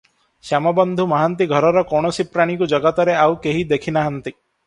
ଶ୍ୟାମବନ୍ଧୁ ମହାନ୍ତି ଘରର କୌଣସି ପ୍ରାଣୀକୁ ଜଗତରେ ଆଉ କେହି ଦେଖି ନାହାନ୍ତି ।